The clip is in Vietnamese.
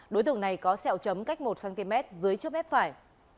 đối tượng này có sẹo chấm cách một cm dưới trước mép phải